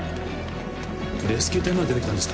レスキュー隊まで出てきたんですか？